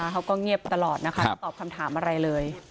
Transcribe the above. เขาก็เงียบตลอดนะคะไม่ตอบคำถามอะไรเลย